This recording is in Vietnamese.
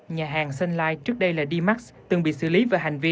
nhà hàng sunlight trước đây là d max từng bị xử lý về hành vi